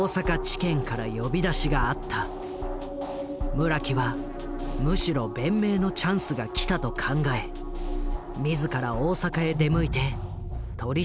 村木はむしろ弁明のチャンスが来たと考え自ら大阪へ出向いて取り調べに応じた。